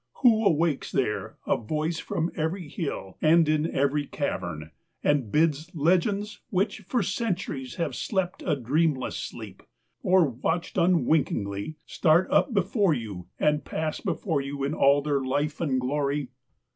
Who awakes there a voice from every hill and in every cavern, and bids legends, which for cen turies have slept a dreamless sleep, or watched unwinkingly, start up before j'ou and pass be fore you in all their life and glory